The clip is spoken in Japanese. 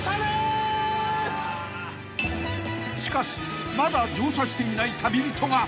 ［しかしまだ乗車していない旅人が］